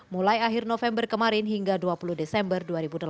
mulai akhir november kemarin hingga dua puluh desember dua ribu delapan belas